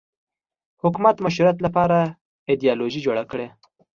حکومت مشروعیت لپاره ایدیالوژي جوړه کړي